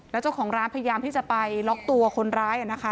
แล้วเจ้าของร้านพยายามที่จะไปล็อกตัวคนร้ายนะคะ